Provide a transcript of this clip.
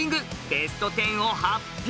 ベスト１０を発表！